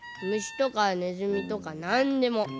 むしとかねずみとかなんでも。